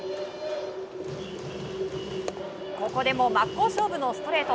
ここでも真っ向勝負のストレート！